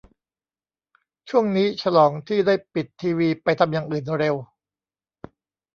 ช่วงนี้ฉลองที่ได้ปิดทีวีไปทำอย่างอื่นเร็ว